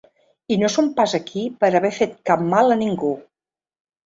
I no som pas aquí per haver fet cap mal a ningú.